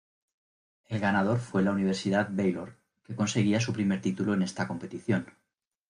El ganador fue la Universidad Baylor, que conseguía su primer título en esta competición.